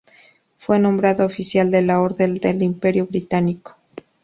Fue nombrado Oficial de la Orden del Imperio Británico.